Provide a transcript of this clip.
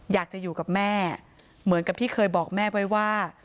อยากจะอยู่กับแม่เหมือนกับที่เคยบอกแม่ไว้ว่า